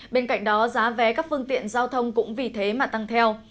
bên cạnh đó giá vé các phương tiện giao thông cũng vì thế mà tăng theo